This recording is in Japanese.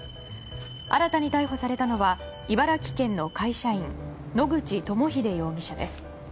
新たに逮捕されたのは茨城県の会社員野口朋秀容疑者です。